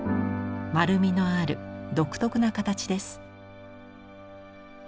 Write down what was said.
丸みのある独特な形です。